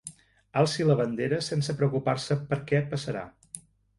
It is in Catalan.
Alci la bandera sense preocupar-se per què passarà.